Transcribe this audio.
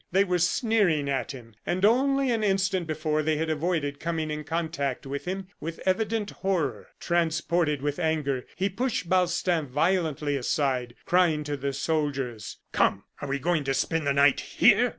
They were sneering at him, and only an instant before they had avoided coming in contact with him with evident horror. Transported with anger, he pushed Balstain violently aside, crying to the soldiers: "Come are we going to spend the night here?"